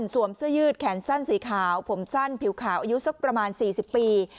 เสื้อยืดแขนสั้นสีขาวผมสั้นผิวขาวอายุสักประมาณ๔๐ปี